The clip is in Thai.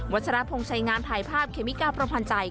วัฒนาพงษ์ใช้งานถ่ายภาพเคมิการประพันธ์ใจ